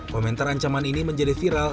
komentar ancaman ini menjadi viral